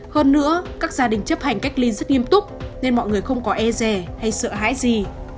hơn nữa các gia đình chấp hành cách ly rất nghiêm túc nên mọi người không có e rè hay sợ hãi gì